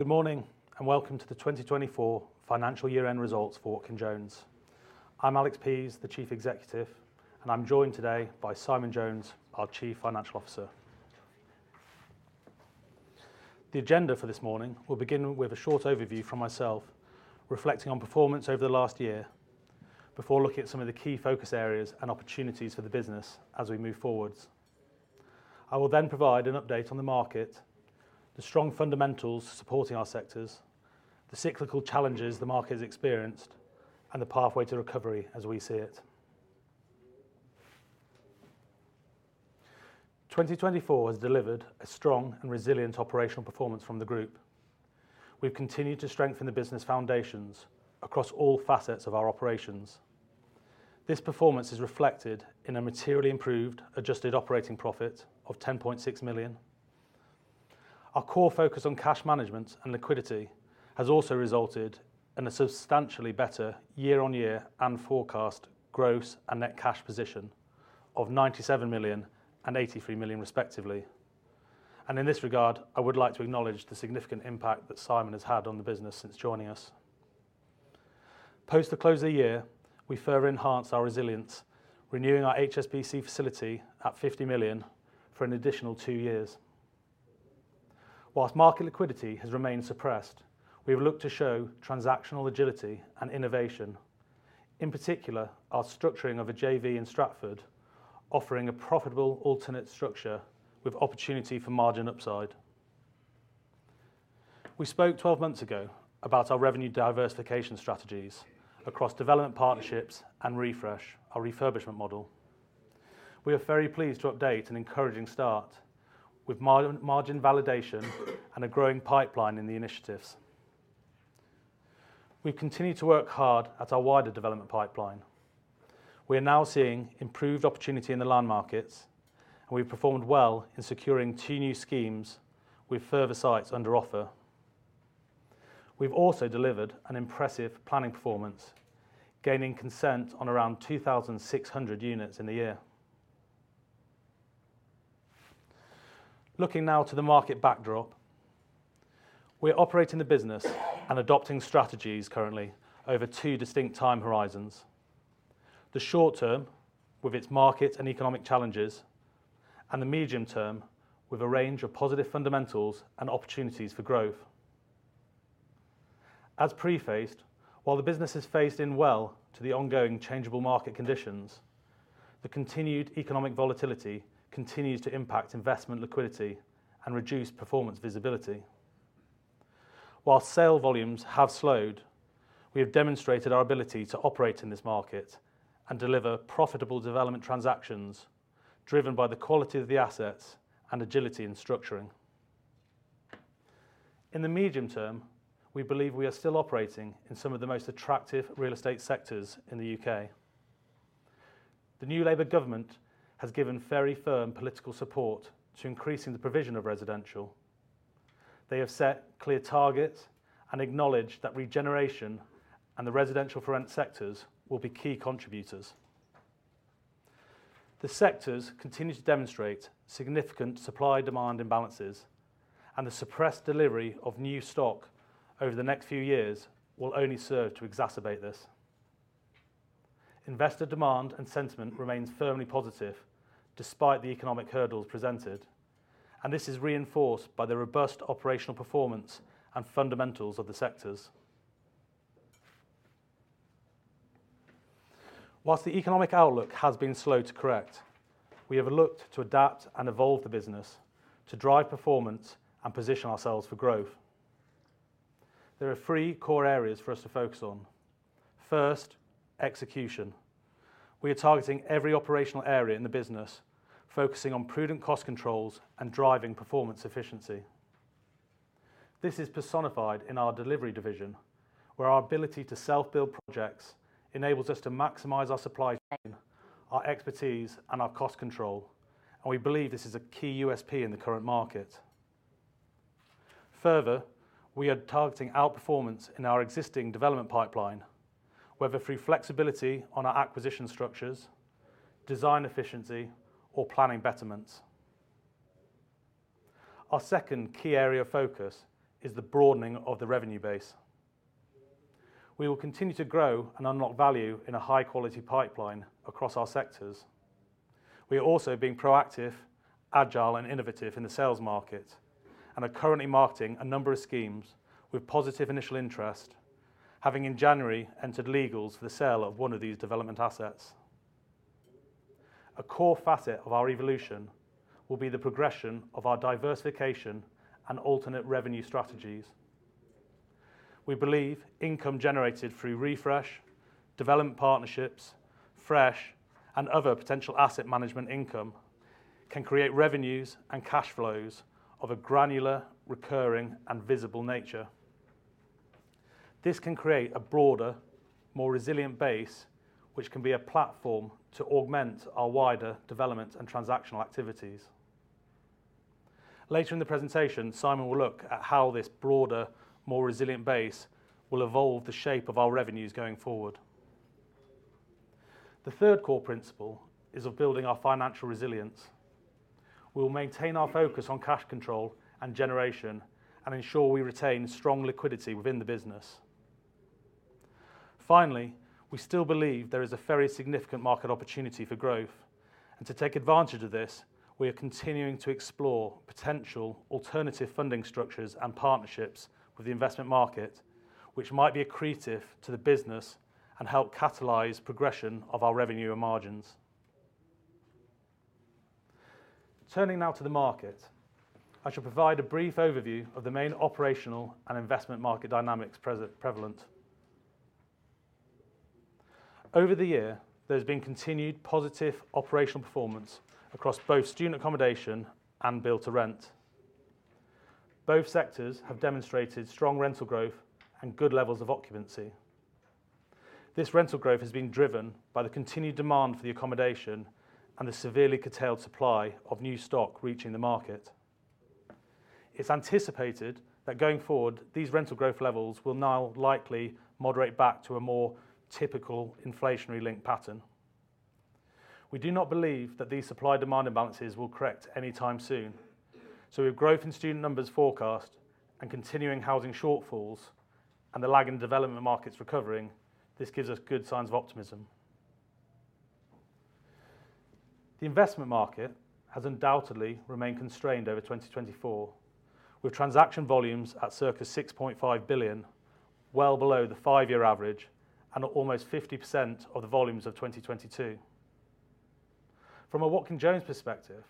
Good morning and welcome to the 2024 financial year-end results for Watkin Jones. I'm Alex Pease, the Chief Executive, and I'm joined today by Simon Jones, our Chief Financial Officer. The agenda for this morning will begin with a short overview from myself, reflecting on performance over the last year, before looking at some of the key focus areas and opportunities for the business as we move forwards. I will then provide an update on the market, the strong fundamentals supporting our sectors, the cyclical challenges the market has experienced, and the pathway to recovery as we see it. 2024 has delivered a strong and resilient operational performance from the Group. We've continued to strengthen the business foundations across all facets of our operations. This performance is reflected in a materially improved adjusted operating profit of 10.6 million. Our core focus on cash management and liquidity has also resulted in a substantially better year-on-year and forecast gross and net cash position of £ 97 million and £83 million, respectively. And in this regard, I would like to acknowledge the significant impact that Simon has had on the business since joining us. Post the close of the year, we further enhanced our resilience, renewing our HSBC facility at £ 50 million for an additional two years. Whilst market liquidity has remained suppressed, we have looked to show transactional agility and innovation, in particular our structuring of a JV in Stratford, offering a profitable alternate structure with opportunity for margin upside. We spoke 12 months ago about our revenue diversification strategies across development partnerships and refresh, our refurbishment model. We are very pleased to update an encouraging start with margin validation and a growing pipeline in the initiatives. We've continued to work hard at our wider development pipeline. We are now seeing improved opportunity in the land markets, and we've performed well in securing two new schemes with further sites under offer. We've also delivered an impressive planning performance, gaining consent on around 2,600 units in the year. Looking now to the market backdrop, we're operating the business and adopting strategies currently over two distinct time horizons: the short term, with its market and economic challenges, and the medium term, with a range of positive fundamentals and opportunities for growth. As prefaced, while the business has phased in well to the ongoing changeable market conditions, the continued economic volatility continues to impact investment liquidity and reduce performance visibility. While sale volumes have slowed, we have demonstrated our ability to operate in this market and deliver profitable development transactions driven by the quality of the assets and agility in structuring. In the medium term, we believe we are still operating in some of the most attractive real estate sectors in the UK. The new Labour government has given very firm political support to increasing the provision of residential. They have set clear targets and acknowledged that regeneration and the residential for rent sectors will be key contributors. The sectors continue to demonstrate significant supply-demand imbalances, and the suppressed delivery of new stock over the next few years will only serve to exacerbate this. Investor demand and sentiment remain firmly positive despite the economic hurdles presented, and this is reinforced by the robust operational performance and fundamentals of the sectors. While the economic outlook has been slow to correct, we have looked to adapt and evolve the business to drive performance and position ourselves for growth. There are three core areas for us to focus on. First, execution. We are targeting every operational area in the business, focusing on prudent cost controls and driving performance efficiency. This is personified in our delivery division, where our ability to self-build projects enables us to maximize our supply chain, our expertise, and our cost control, and we believe this is a key USP in the current market. Further, we are targeting outperformance in our existing development pipeline, whether through flexibility on our acquisition structures, design efficiency, or planning betterments. Our second key area of focus is the broadening of the revenue base. We will continue to grow and unlock value in a high-quality pipeline across our sectors. We are also being proactive, agile, and innovative in the sales market and are currently marketing a number of schemes with positive initial interest, having in January entered legals for the sale of one of these development assets. A core facet of our evolution will be the progression of our diversification and alternate revenue strategies. We believe income generated through Refresh, development partnerships, Fresh, and other potential asset management income can create revenues and cash flows of a granular, recurring, and visible nature. This can create a broader, more resilient base, which can be a platform to augment our wider development and transactional activities. Later in the presentation, Simon will look at how this broader, more resilient base will evolve the shape of our revenues going forward. The third core principle is of building our financial resilience. We will maintain our focus on cash control and generation and ensure we retain strong liquidity within the business. Finally, we still believe there is a very significant market opportunity for growth, and to take advantage of this, we are continuing to explore potential alternative funding structures and partnerships with the investment market, which might be accretive to the business and help catalyze progression of our revenue and margins. Turning now to the market, I shall provide a brief overview of the main operational and investment market dynamics prevalent. Over the year, there has been continued positive operational performance across both student accommodation and build-to-rent. Both sectors have demonstrated strong rental growth and good levels of occupancy. This rental growth has been driven by the continued demand for the accommodation and the severely curtailed supply of new stock reaching the market. It's anticipated that going forward, these rental growth levels will now likely moderate back to a more typical inflationary link pattern. We do not believe that these supply-demand imbalances will correct anytime soon. So with growth in student numbers forecast and continuing housing shortfalls and the lag in development markets recovering, this gives us good signs of optimism. The investment market has undoubtedly remained constrained over 2024, with transaction volumes at circa £6.5 billion, well below the five-year average and almost 50% of the volumes of 2022. From a Watkin Jones perspective,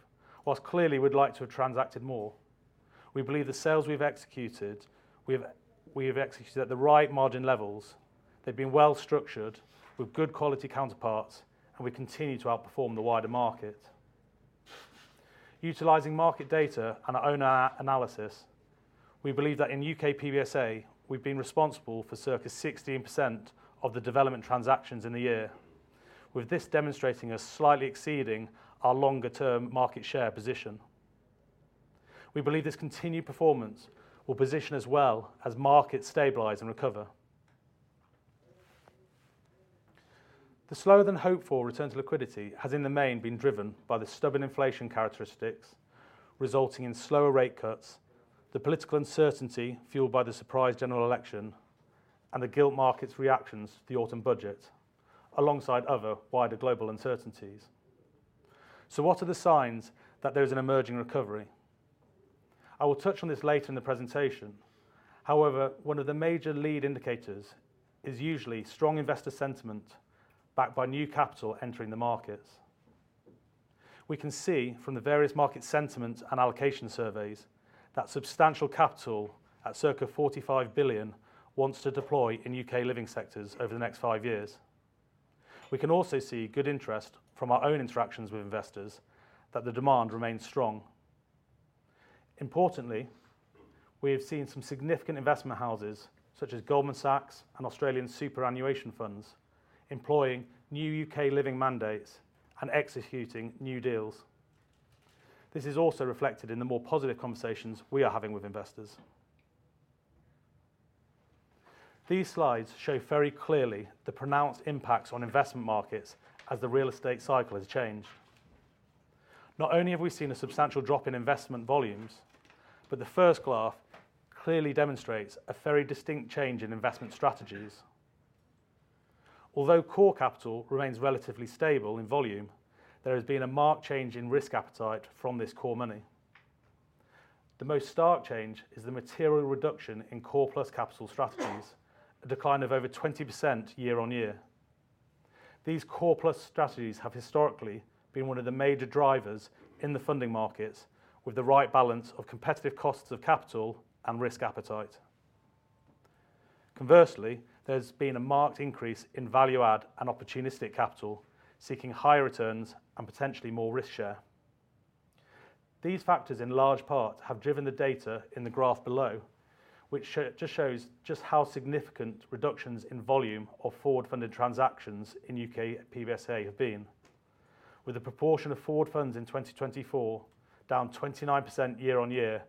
whilst clearly we'd like to have transacted more, we believe the sales we've executed, we have executed at the right margin levels, they've been well structured with good quality counterparts, and we continue to outperform the wider market. Utilizing market data and our own analysis, we believe that in U.K. PBSA, we've been responsible for circa 16% of the development transactions in the year, with this demonstrating us slightly exceeding our longer-term market share position. We believe this continued performance will position us well as markets stabilize and recover. The slower than hopeful return to liquidity has in the main been driven by the stubborn inflation characteristics, resulting in slower rate cuts, the political uncertainty fuelled by the surprise general election, and the gilt market's reactions to the autumn budget, alongside other wider global uncertainties. So what are the signs that there is an emerging recovery? I will touch on this later in the presentation. However, one of the major lead indicators is usually strong investor sentiment backed by new capital entering the markets. We can see from the various market sentiment and allocation surveys that substantial capital at circa £45 billion wants to deploy in UK living sectors over the next five years. We can also see good interest from our own interactions with investors that the demand remains strong. Importantly, we have seen some significant investment houses, such as Goldman Sachs and Australian Superannuation Funds, employing new UK living mandates and executing new deals. This is also reflected in the more positive conversations we are having with investors. These slides show very clearly the pronounced impacts on investment markets as the real estate cycle has changed. Not only have we seen a substantial drop in investment volumes, but the first graph clearly demonstrates a very distinct change in investment strategies. Although core capital remains relatively stable in volume, there has been a marked change in risk appetite from this core money. The most stark change is the material reduction in core plus capital strategies, a decline of over 20% year on year. These core plus strategies have historically been one of the major drivers in the funding markets, with the right balance of competitive costs of capital and risk appetite. Conversely, there's been a marked increase in value-add and opportunistic capital seeking higher returns and potentially more risk share. These factors in large part have driven the data in the graph below, which just shows how significant reductions in volume of forward-funded transactions in UK PBSA have been, with the proportion of forward funds in 2024 down 29% year-on-year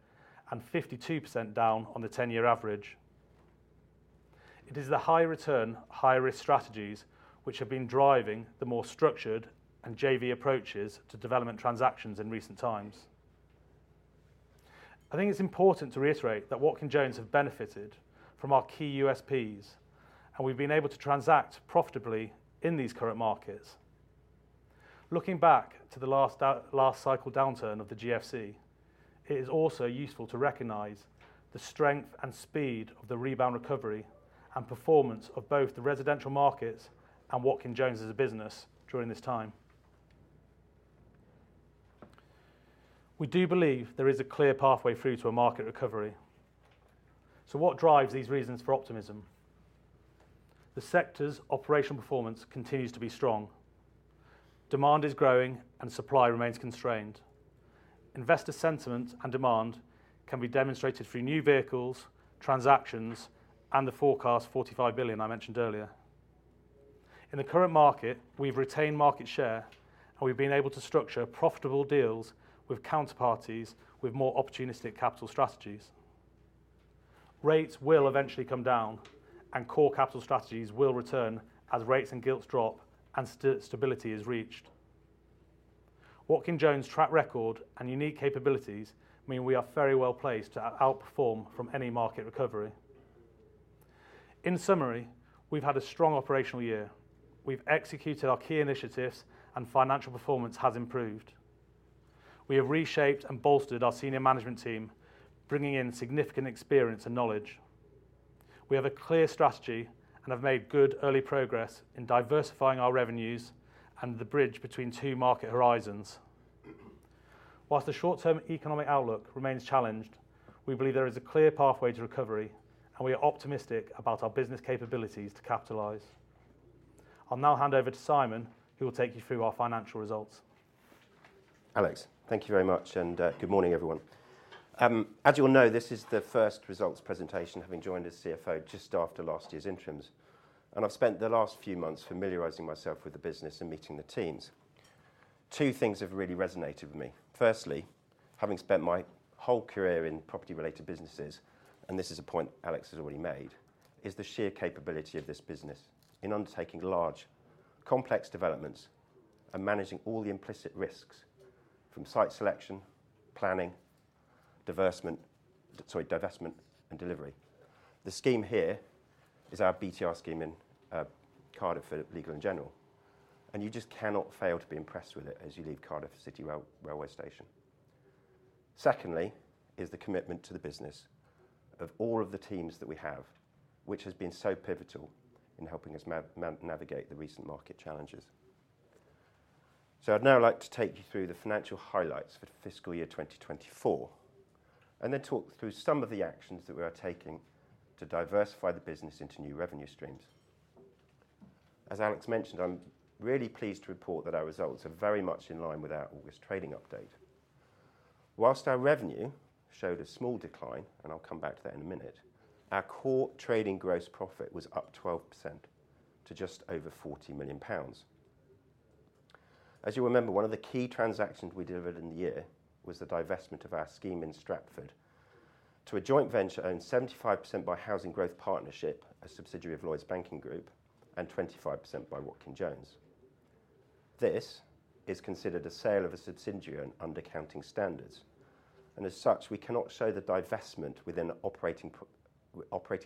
and 52% down on the 10-year average. It is the high-return, high-risk strategies which have been driving the more structured and JV approaches to development transactions in recent times. I think it's important to reiterate that Watkin Jones have benefited from our key USPs, and we've been able to transact profitably in these current markets. Looking back to the last cycle downturn of the GFC, it is also useful to recognize the strength and speed of the rebound recovery and performance of both the residential markets and Watkin Jones as a business during this time. We do believe there is a clear pathway through to a market recovery. So what drives these reasons for optimism? The sector's operational performance continues to be strong. Demand is growing and supply remains constrained. Investor sentiment and demand can be demonstrated through new vehicles, transactions, and the forecast 45 billion I mentioned earlier. In the current market, we've retained market share, and we've been able to structure profitable deals with counterparties with more opportunistic capital strategies. Rates will eventually come down, and core capital strategies will return as rates and gilts drop and stability is reached. Watkin Jones' track record and unique capabilities mean we are very well placed to outperform from any market recovery. In summary, we've had a strong operational year. We've executed our key initiatives, and financial performance has improved. We have reshaped and bolstered our senior management team, bringing in significant experience and knowledge. We have a clear strategy and have made good early progress in diversifying our revenues and the bridge between two market horizons. Whilst the short-term economic outlook remains challenged, we believe there is a clear pathway to recovery, and we are optimistic about our business capabilities to capitalize. I'll now hand over to Simon, who will take you through our financial results. Alex, thank you very much, and good morning, everyone. As you all know, this is the first results presentation having joined as CFO just after last year's interims, and I've spent the last few months familiarizing myself with the business and meeting the teams. Two things have really resonated with me. Firstly, having spent my whole career in property-related businesses, and this is a point Alex has already made, is the sheer capability of this business in undertaking large, complex developments and managing all the implicit risks from site selection, planning, divestment, sorry, divestment and delivery. The scheme here is our BTR scheme in Cardiff for Legal & General, and you just cannot fail to be impressed with it as you leave Cardiff Central railway station. Secondly, is the commitment to the business of all of the teams that we have, which has been so pivotal in helping us navigate the recent market challenges. I'd now like to take you through the financial highlights for fiscal year 2024, and then talk through some of the actions that we are taking to diversify the business into new revenue streams. As Alex mentioned, I'm really pleased to report that our results are very much in line with our August trading update. While our revenue showed a small decline, and I'll come back to that in a minute, our core trading gross profit was up 12% to just over 40 million pounds. As you remember, one of the key transactions we delivered in the year was the divestment of our scheme in Stratford to a joint venture owned 75% by Housing Growth Partnership, a subsidiary of Lloyds Banking Group, and 25% by Watkin Jones. This is considered a sale of a subsidiary under accounting standards, and as such, we cannot show the divestment within operating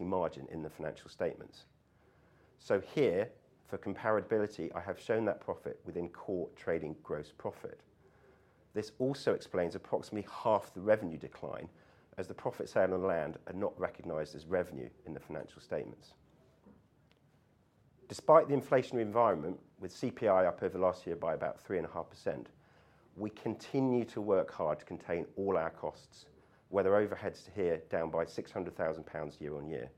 margin in the financial statements. So here, for comparability, I have shown that profit within core trading gross profit. This also explains approximately half the revenue decline, as the profits on land are not recognized as revenue in the financial statements. Despite the inflationary environment, with CPI up over the last year by about 3.5%, we continue to work hard to contain all our costs, whether overheads too, are down by 600,000 pounds year on year.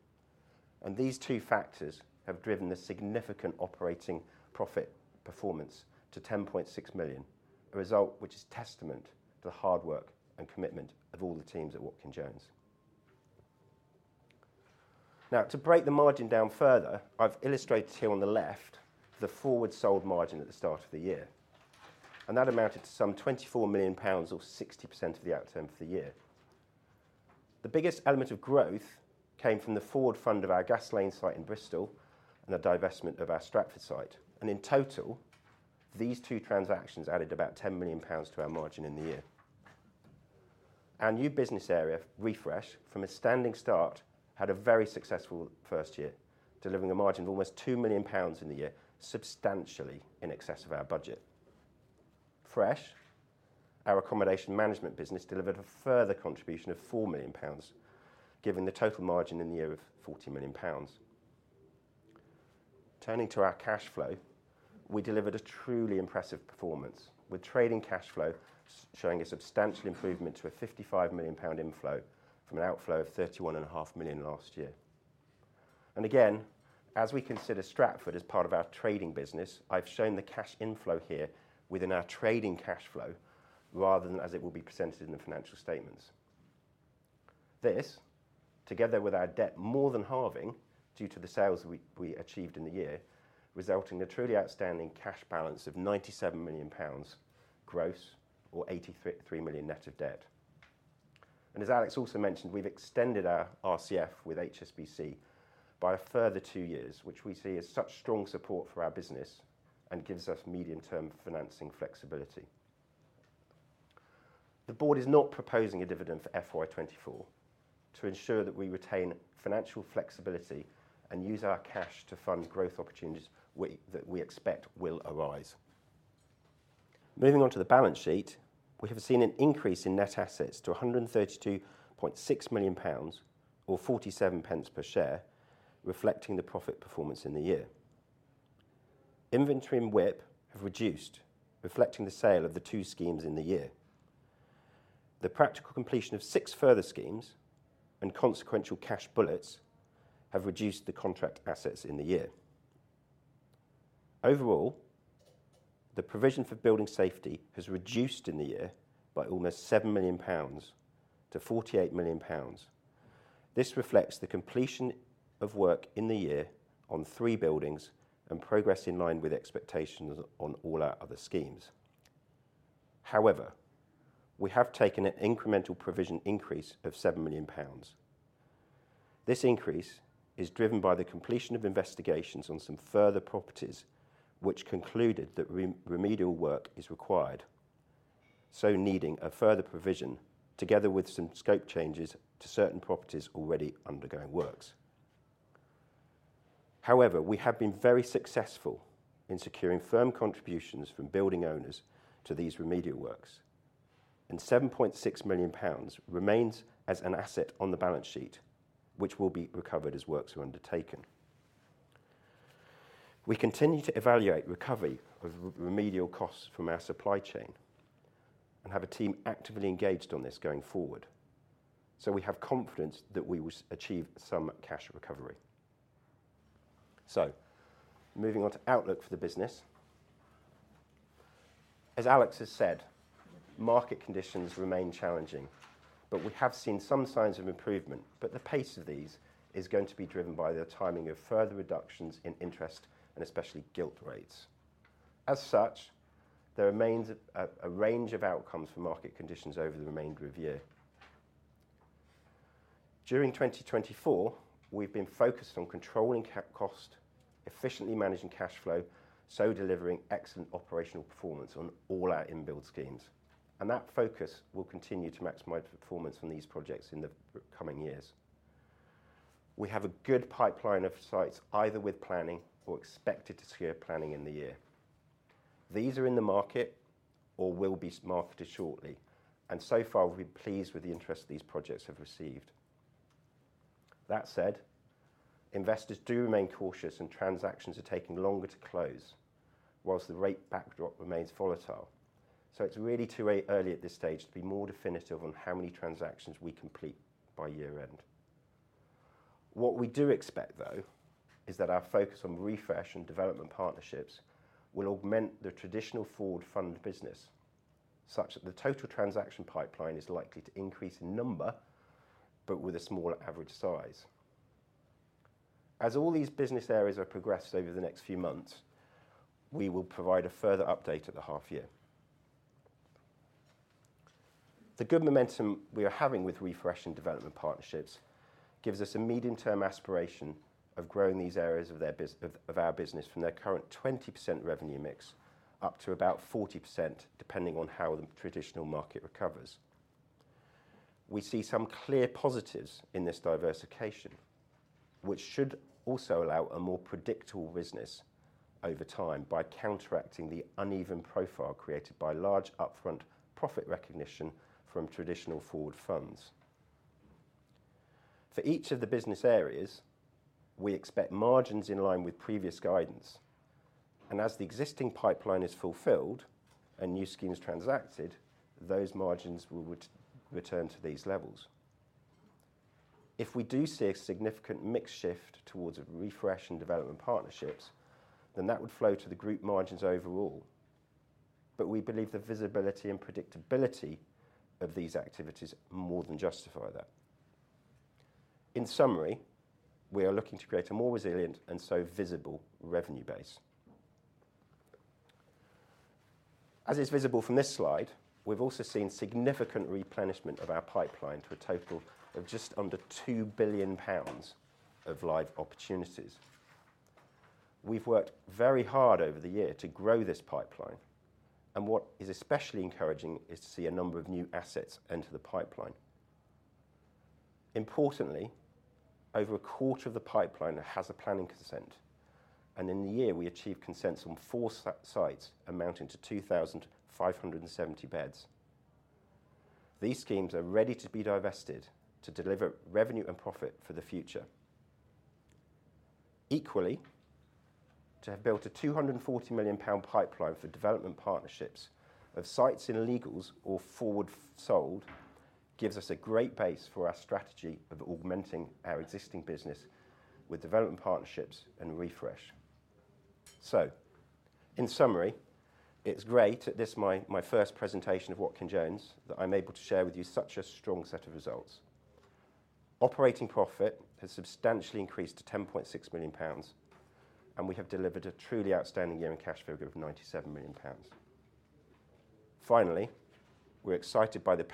And these two factors have driven the significant operating profit performance to 10.6 million, a result which is testament to the hard work and commitment of all the teams at Watkin Jones. Now, to break the margin down further, I've illustrated here on the left the forward sold margin at the start of the year, and that amounted to some £ 24 million, or 60% of the outcome for the year. The biggest element of growth came from the forward fund of our Gas Lane site in Bristol and the divestment of our Stratford site. And in total, these two transactions added about £10 million to our margin in the year. Our new business area, Refresh, from a standing start, had a very successful first year, delivering a margin of almost £ 2 million in the year, substantially in excess of our budget. Fresh, our accommodation management business, delivered a further contribution of £ 4 million, giving the total margin in the year of £ 40 million. Turning to our cash flow, we delivered a truly impressive performance, with trading cash flow showing a substantial improvement to a £5 5 million inflow from an outflow of £ 31.5 million last year. And again, as we consider Stratford as part of our trading business, I've shown the cash inflow here within our trading cash flow rather than as it will be presented in the financial statements. This, together with our debt more than halving due to the sales we achieved in the year, resulted in a truly outstanding cash balance of £ 97 million gross, or £ 83 million net of debt. And as Alex also mentioned, we've extended our RCF with HSBC by a further two years, which we see as such strong support for our business and gives us medium-term financing flexibility. The board is not proposing a dividend for FY24 to ensure that we retain financial flexibility and use our cash to fund growth opportunities that we expect will arise. Moving on to the balance sheet, we have seen an increase in net assets to £ 132.6 million, or £ 0.47 per share, reflecting the profit performance in the year. Inventory and WIP have reduced, reflecting the sale of the two schemes in the year. The practical completion of six further schemes and consequential cash bullets have reduced the contract assets in the year. Overall, the provision for building safety has reduced in the year by almost £ 7 million to £ 48 million. This reflects the completion of work in the year on three buildings and progress in line with expectations on all our other schemes. However, we have taken an incremental provision increase of £ 7 million. This increase is driven by the completion of investigations on some further properties, which concluded that remedial work is required, so needing a further provision together with some scope changes to certain properties already undergoing works. However, we have been very successful in securing firm contributions from building owners to these remedial works, and 7.6 million pounds remains as an asset on the balance sheet, which will be recovered as works are undertaken. We continue to evaluate recovery of remedial costs from our supply chain and have a team actively engaged on this going forward, so we have confidence that we will achieve some cash recovery. So, moving on to outlook for the business. As Alex has said, market conditions remain challenging, but we have seen some signs of improvement. But the pace of these is going to be driven by the timing of further reductions in interest and especially gilt rates. As such, there remains a range of outcomes for market conditions over the remainder of year. During 2024, we've been focused on controlling cost, efficiently managing cash flow, so delivering excellent operational performance on all our inbuilt schemes. And that focus will continue to maximize performance on these projects in the coming years. We have a good pipeline of sites, either with planning or expected to secure planning in the year. These are in the market or will be marketed shortly, and so far we've been pleased with the interest these projects have received. That said, investors do remain cautious and transactions are taking longer to close while the rate backdrop remains volatile. So it's really too early at this stage to be more definitive on how many transactions we complete by year-end. What we do expect, though, is that our focus on Refresh and development partnerships will augment the traditional forward-funded business, such that the total transaction pipeline is likely to increase in number, but with a smaller average size. As all these business areas are progressed over the next few months, we will provide a further update at the half year. The good momentum we are having with Refresh and development partnerships gives us a medium-term aspiration of growing these areas of our business from their current 20% revenue mix up to about 40%, depending on how the traditional market recovers. We see some clear positives in this diversification, which should also allow a more predictable business over time by counteracting the uneven profile created by large upfront profit recognition from traditional forward funds. For each of the business areas, we expect margins in line with previous guidance, and as the existing pipeline is fulfilled and new schemes transacted, those margins will return to these levels. If we do see a significant mix shift towards Refresh and development partnerships, then that would flow to the group margins overall, but we believe the visibility and predictability of these activities more than justify that. In summary, we are looking to create a more resilient and so visible revenue base. As is visible from this slide, we've also seen significant replenishment of our pipeline to a total of just under 2 billion pounds of live opportunities. We've worked very hard over the year to grow this pipeline, and what is especially encouraging is to see a number of new assets enter the pipeline. Importantly, over a quarter of the pipeline has a planning consent, and in the year we achieved consents on four sites, amounting to 2,570 beds. These schemes are ready to be divested to deliver revenue and profit for the future. Equally, to have built a £ 240 million pipeline for development partnerships of sites in legals or forward sold gives us a great base for our strategy of augmenting our existing business with development partnerships and Refresh. So, in summary, it's great at this my first presentation of Watkin Jones that I'm able to share with you such a strong set of results. Operating profit has substantially increased to £ 10.6 million, and we have delivered a truly outstanding year in cash value of £ 97 million. Finally, we're excited by the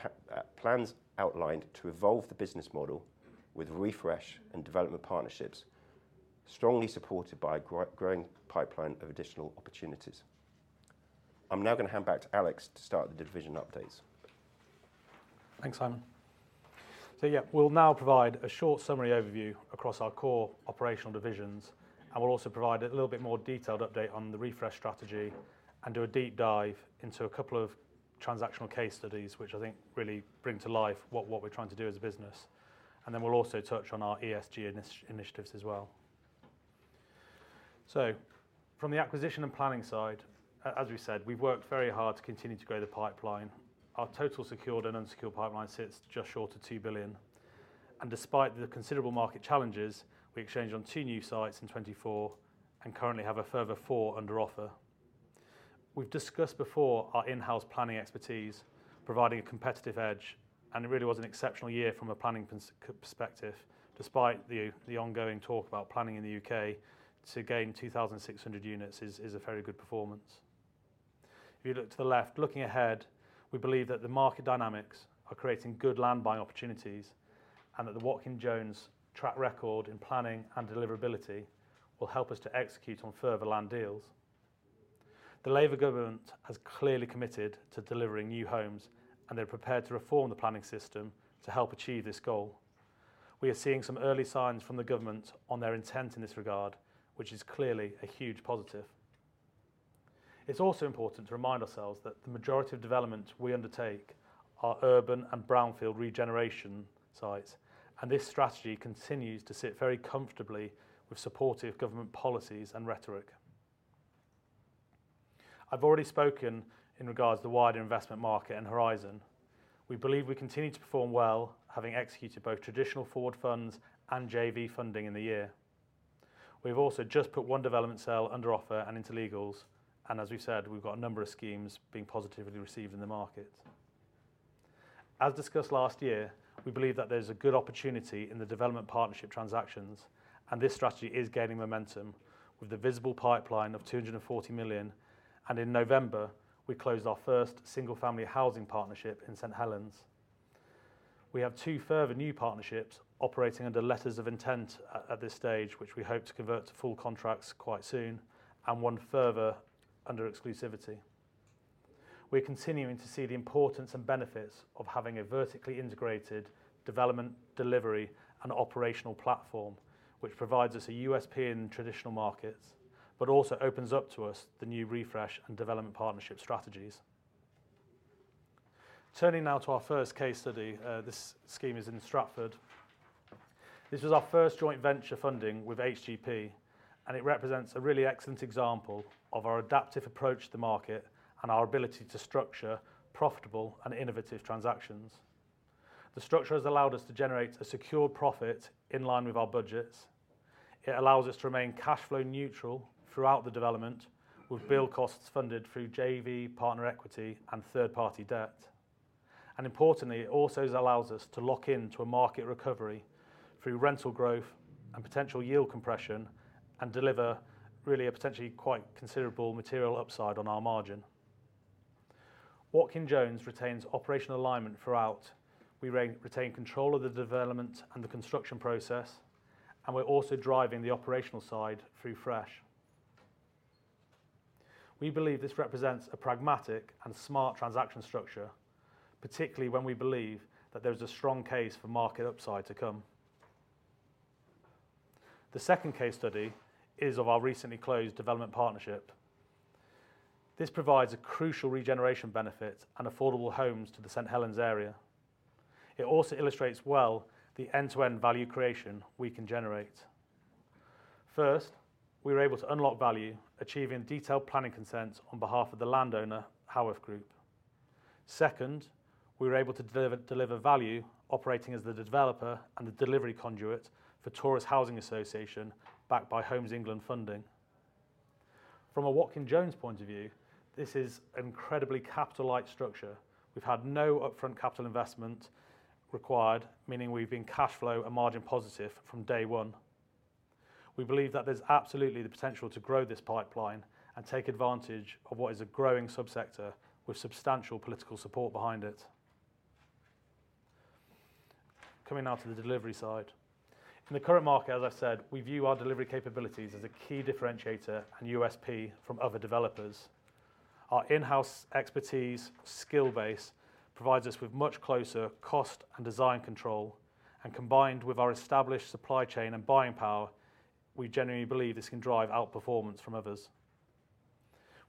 plans outlined to evolve the business model with Refresh and development partnerships, strongly supported by a growing pipeline of additional opportunities. I'm now going to hand back to Alex to start the division updates. Thanks, Simon. So yeah, we'll now provide a short summary overview across our core operational divisions, and we'll also provide a little bit more detailed update on the Refresh strategy and do a deep dive into a couple of transactional case studies, which I think really bring to life what we're trying to do as a business. And then we'll also touch on our ESG initiatives as well. So from the acquisition and planning side, as we said, we've worked very hard to continue to grow the pipeline. Our total secured and unsecured pipeline sits just short of £ 2 billion. Despite the considerable market challenges, we exchanged on two new sites in 2024 and currently have a further four under offer. We've discussed before our in-house planning expertise, providing a competitive edge, and it really was an exceptional year from a planning perspective, despite the ongoing talk about planning in the UK. To gain 2,600 units is a very good performance. If you look to the left, looking ahead, we believe that the market dynamics are creating good land buying opportunities and that the Watkin Jones track record in planning and deliverability will help us to execute on further land deals. The Labour government has clearly committed to delivering new homes, and they're prepared to reform the planning system to help achieve this goal. We are seeing some early signs from the government on their intent in this regard, which is clearly a huge positive. It's also important to remind ourselves that the majority of developments we undertake are urban and brownfield regeneration sites, and this strategy continues to sit very comfortably with supportive government policies and rhetoric. I've already spoken in regards to the wider investment market and horizon. We believe we continue to perform well, having executed both traditional forward funds and JV funding in the year. We've also just put one development sale under offer and into legals, and as we said, we've got a number of schemes being positively received in the market. As discussed last year, we believe that there's a good opportunity in the development partnership transactions, and this strategy is gaining momentum with the visible pipeline of 240 million. In November, we closed our first single-family housing partnership in St Helens. We have two further new partnerships operating under letters of intent at this stage, which we hope to convert to full contracts quite soon, and one further under exclusivity. We're continuing to see the importance and benefits of having a vertically integrated development, delivery, and operational platform, which provides us a USP in traditional markets, but also opens up to us the new Refresh and development partnership strategies. Turning now to our first case study, this scheme is in Stratford. This was our first joint venture funding with HGP, and it represents a really excellent example of our adaptive approach to the market and our ability to structure profitable and innovative transactions. The structure has allowed us to generate a secured profit in line with our budgets. It allows us to remain cash flow neutral throughout the development, with build costs funded through JV, partner equity, and third-party debt, and importantly, it also allows us to lock into a market recovery through rental growth and potential yield compression and deliver really a potentially quite considerable material upside on our margin. Watkin Jones retains operational alignment throughout. We retain control of the development and the construction process, and we're also driving the operational side through Refresh. We believe this represents a pragmatic and smart transaction structure, particularly when we believe that there is a strong case for market upside to come. The second case study is of our recently closed development partnership. This provides a crucial regeneration benefit and affordable homes to the St Helens area. It also illustrates well the end-to-end value creation we can generate. First, we were able to unlock value, achieving detailed planning consents on behalf of the landowner, Harworth Group. Second, we were able to deliver value, operating as the developer and the delivery conduit for Torus Housing Association, backed by Homes England funding. From a Watkin Jones point of view, this is an incredibly capital-like structure. We've had no upfront capital investment required, meaning we've been cash flow and margin positive from day one. We believe that there's absolutely the potential to grow this pipeline and take advantage of what is a growing subsector with substantial political support behind it. Coming now to the delivery side. In the current market, as I said, we view our delivery capabilities as a key differentiator and USP from other developers. Our in-house expertise skill base provides us with much closer cost and design control, and combined with our established supply chain and buying power, we genuinely believe this can drive outperformance from others.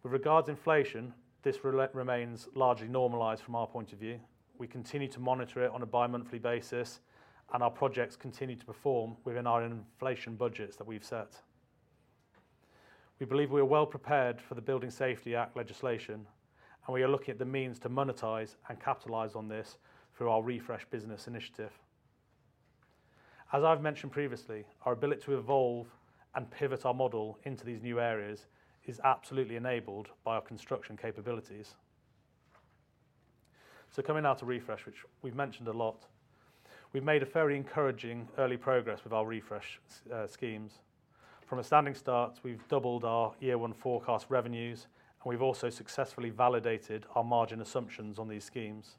With regards to inflation, this remains largely normalized from our point of view. We continue to monitor it on a bi-monthly basis, and our projects continue to perform within our inflation budgets that we've set. We believe we are well prepared for the Building Safety Act legislation, and we are looking at the means to monetize and capitalize on this through our Refresh business initiative. As I've mentioned previously, our ability to evolve and pivot our model into these new areas is absolutely enabled by our construction capabilities. So coming now to Refresh, which we've mentioned a lot, we've made a very encouraging early progress with our Refresh schemes. From a standing start, we've doubled our year-one forecast revenues, and we've also successfully validated our margin assumptions on these schemes.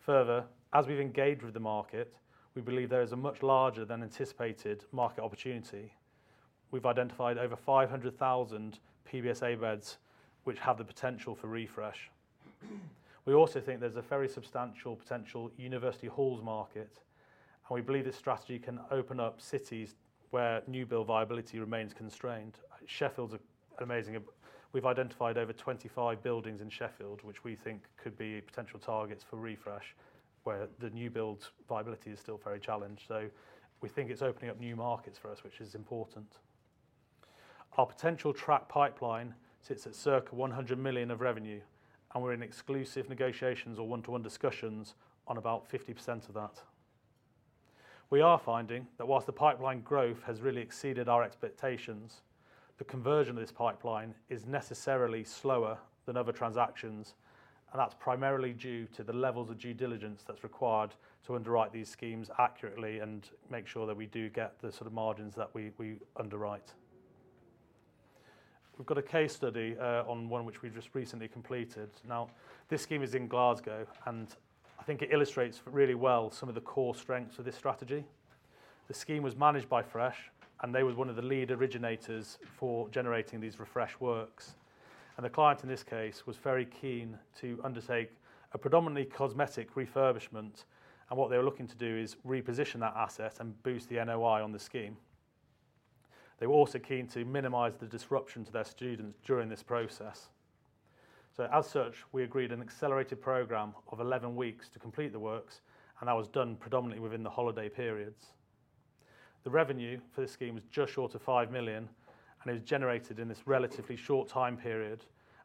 Further, as we've engaged with the market, we believe there is a much larger than anticipated market opportunity. We've identified over 500,000 PBSA beds which have the potential for Refresh. We also think there's a very substantial potential university halls market, and we believe this strategy can open up cities where new build viability remains constrained. Sheffield's an amazing. We've identified over 25 buildings in Sheffield, which we think could be potential targets for Refresh, where the new builds' viability is still very challenged. So we think it's opening up new markets for us, which is important. Our potential track pipeline sits at circa 100 million of revenue, and we're in exclusive negotiations or one-to-one discussions on about 50% of that. We are finding that while the pipeline growth has really exceeded our expectations, the conversion of this pipeline is necessarily slower than other transactions, and that's primarily due to the levels of due diligence that's required to underwrite these schemes accurately and make sure that we do get the sort of margins that we underwrite. We've got a case study on one which we've just recently completed. Now, this scheme is in Glasgow, and I think it illustrates really well some of the core strengths of this strategy. The scheme was managed by Fresh, and they were one of the lead originators for generating these Refresh works, and the client in this case was very keen to undertake a predominantly cosmetic refurbishment, and what they were looking to do is reposition that asset and boost the NOI on the scheme. They were also keen to minimize the disruption to their students during this process. so as such, we agreed an accelerated program of 11 weeks to complete the works, and that was done predominantly within the holiday periods. The revenue for the scheme was just short of 5 million, and it was generated in this relatively short time period.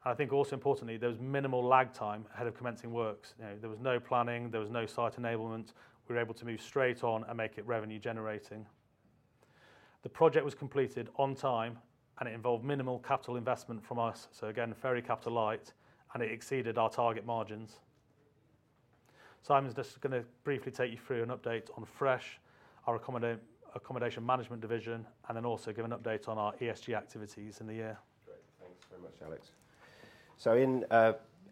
and I think also importantly, there was minimal lag time ahead of commencing works. There was no planning, there was no site enablement. We were able to move straight on and make it revenue-generating. The project was completed on time, and it involved minimal capital investment from us, so again, very capital-light, and it exceeded our target margins. Simon's just going to briefly take you through an update on Fresh, our accommodation management division, and then also give an update on our ESG activities in the year. Great. Thanks very much, Alex. So in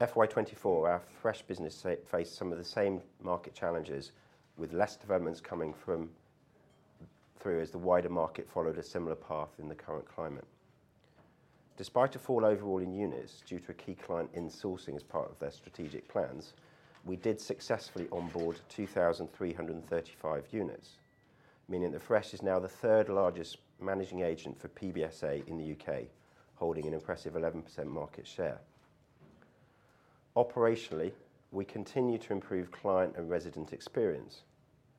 FY24, our Fresh business faced some of the same market challenges with less developments coming through as the wider market followed a similar path in the current climate. Despite a fall overall in units due to a key client in sourcing as part of their strategic plans, we did successfully onboard 2,335 units, meaning that Fresh is now the third largest managing agent for PBSA in the UK, holding an impressive 11% market share. Operationally, we continue to improve client and resident experience.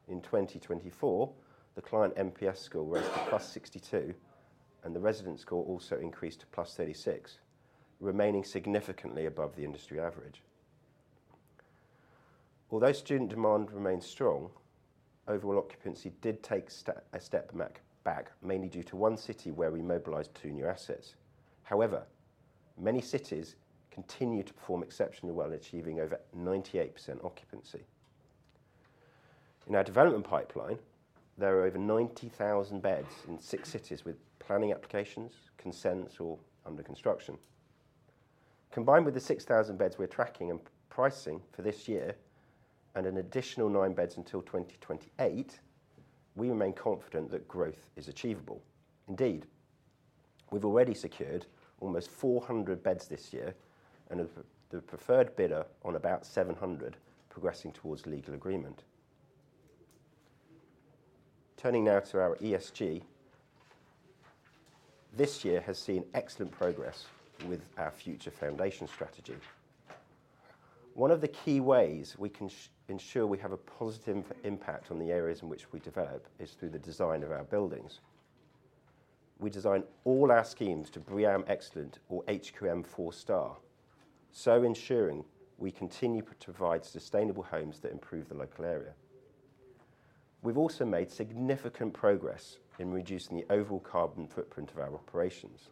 In 2024, the client MPS score rose to +62, and the resident score also increased to plus 36, remaining significantly above the industry average. Although student demand remained strong, overall occupancy did take a step back, mainly due to one city where we mobilised two new assets. However, many cities continue to perform exceptionally well, achieving over 98% occupancy. In our development pipeline, there are over 90,000 beds in six cities with planning applications, consents, or under construction. Combined with the 6,000 beds we're tracking and pricing for this year, and an additional nine beds until 2028, we remain confident that growth is achievable. Indeed, we've already secured almost 400 beds this year and the preferred bidder on about 700, progressing towards legal agreement. Turning now to our ESG, this year has seen excellent progress with our Future Foundations strategy. One of the key ways we can ensure we have a positive impact on the areas in which we develop is through the design of our buildings. We design all our schemes to BREEAM Excellent or HQM Four Star, so ensuring we continue to provide sustainable homes that improve the local area. We've also made significant progress in reducing the overall carbon footprint of our operations.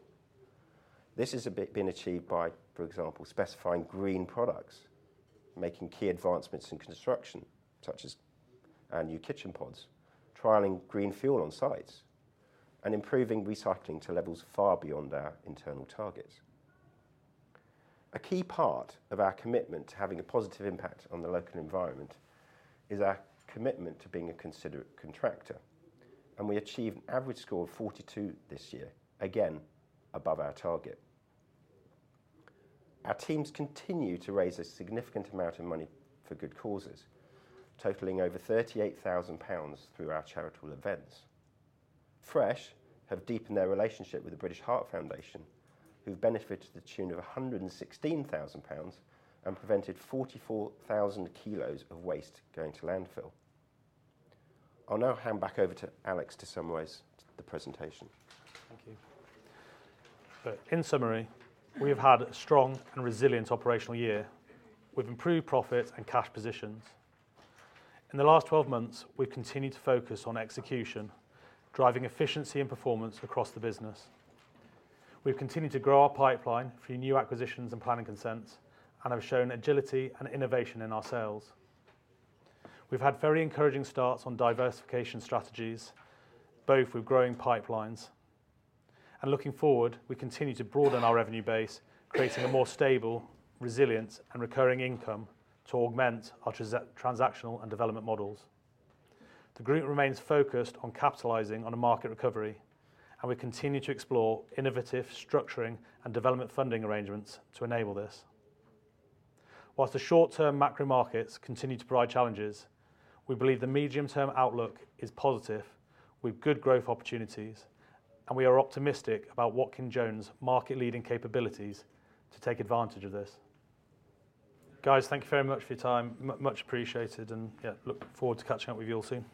This has been achieved by, for example, specifying green products, making key advancements in construction, such as new kitchen pods, trialing green fuel on sites, and improving recycling to levels far beyond our internal targets. A key part of our commitment to having a positive impact on the local environment is our commitment to being a considerate contractor, and we achieved an average score of 42 this year, again above our target. Our teams continue to raise a significant amount of money for good causes, totaling over 38,000 pounds through our charitable events. Fresh have deepened their relationship with the British Heart Foundation, who've benefited to the tune of 116,000 pounds and prevented 44,000 kilos of waste going to landfill. I'll now hand back over to Alex to summarize the presentation. Thank you. In summary, we have had a strong and resilient operational year. We've improved profits and cash positions. In the last 12 months, we've continued to focus on execution, driving efficiency and performance across the business. We've continued to grow our pipeline through new acquisitions and planning consents, and have shown agility and innovation in our sales. We've had very encouraging starts on diversification strategies, both with growing pipelines. And looking forward, we continue to broaden our revenue base, creating a more stable, resilient, and recurring income to augment our transactional and development models. The group remains focused on capitalizing on a market recovery, and we continue to explore innovative structuring and development funding arrangements to enable this. While the short-term macro markets continue to provide challenges, we believe the medium-term outlook is positive, with good growth opportunities, and we are optimistic about Watkin Jones' market-leading capabilities to take advantage of this. Guys, thank you very much for your time. Much appreciated, and yeah, look forward to catching up with you all soon.